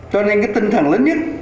cho nên cái tinh thần lớn nhất